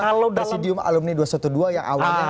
presidium alumni dua ratus dua belas yang awalnya